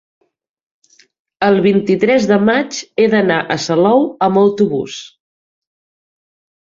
el vint-i-tres de maig he d'anar a Salou amb autobús.